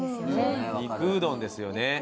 肉うどんですよね。